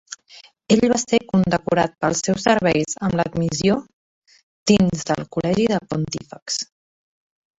Ell va ser condecorat pels seus serveis amb l'admissió dins el col·legi de pontífexs.